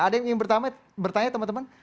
ada yang ingin bertanya teman teman